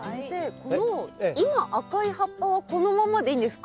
この今赤い葉っぱはこのままでいいんですか？